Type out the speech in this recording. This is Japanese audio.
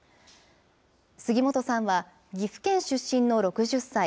杉本さんは岐阜県出身の６０歳。